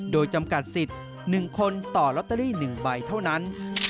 โดยจำกัดสิทธิ์๑คนต่อลอตเตอรี่๑ใบเท่านั้น